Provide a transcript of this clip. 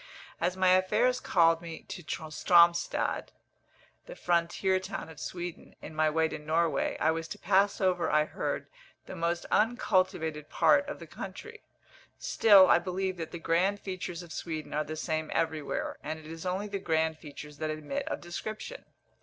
As my affairs called me to Stromstad (the frontier town of Sweden) in my way to Norway, I was to pass over, I heard, the most uncultivated part of the country. Still I believe that the grand features of Sweden are the same everywhere, and it is only the grand features that admit of description.